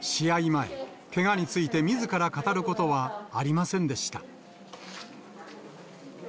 前、けがについてみずから語ることはありませんでした。